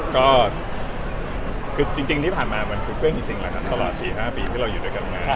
ก็คือจริงที่ผ่านมามันคือเพื่อนจริงแล้วครับตลอด๔๕ปีที่เราอยู่ด้วยกันมา